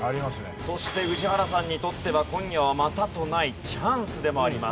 そして宇治原さんにとってはまたとないチャンスでもあります。